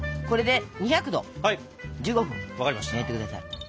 これで２００℃１５分焼いて下さい。